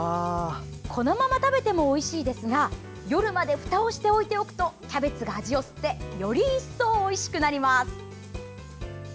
このまま食べてもおいしいですが夜まで、ふたをして置いておくとキャベツが味を吸ってより一層おいしくなります。